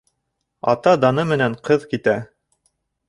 Ата даны менән ҡыҙ китә.